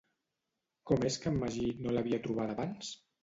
Com és que en Magí no l'havia trobada abans?